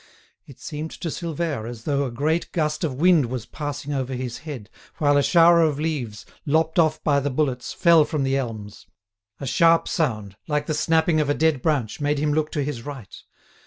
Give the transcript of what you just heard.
It seemed to Silvère as though a great gust of wind was passing over his head, while a shower of leaves, lopped off by the bullets, fell from the elms. A sharp sound, like the snapping of a dead branch, made him look to his right.